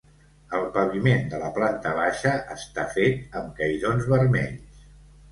El paviment de la planta baixa està fet amb cairons vermells.